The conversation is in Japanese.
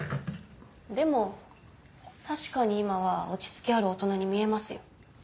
でも確かに今は落ち着きある大人に見えますよ。